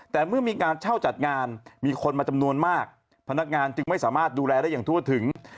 แต่เมื่อมีการเช่าจัดงานมีคนมาจำนวนมากพนักงานจึงไม่สามารถดูแลได้อย่างทั่วถึง